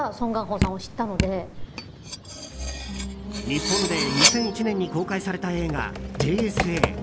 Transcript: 日本で２００１年に公開された映画「ＪＳＡ」。